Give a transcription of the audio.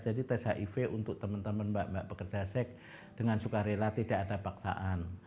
jadi tes hiv untuk teman teman mbak mbak pekerja seks dengan suka rela tidak ada paksaan